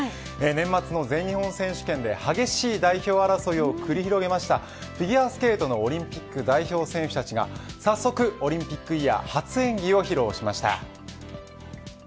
年末の全日本選手権で激しい代表争いを繰り広げましたフィギュアスケートのオリンピック代表選手たちが早速オリンピックイヤー初演技を披露しました。